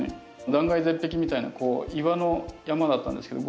断崖絶壁みたいなこう岩の山だったんですけど５６